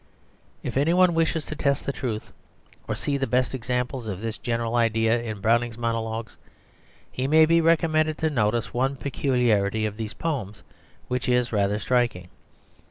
If any one wishes to test the truth, or to see the best examples of this general idea in Browning's monologues, he may be recommended to notice one peculiarity of these poems which is rather striking.